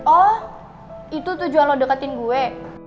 oh itu tujuan lo deketin gue